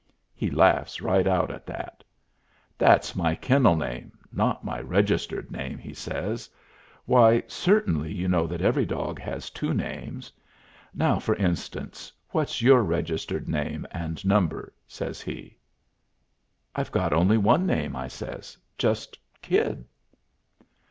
He laughs right out at that. "That's my kennel name, not my registered name," he says. "Why, certainly you know that every dog has two names. Now, for instance, what's your registered name and number?" says he. "I've got only one name," I says. "Just Kid."